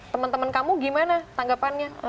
temen temen kamu gimana tanggapannya